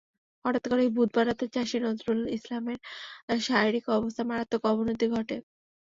হঠাৎ করেই বুধবার রাতে চাষী নজরুল ইসলামের শারীরিক অবস্থার মারাত্মক অবনতি ঘটে।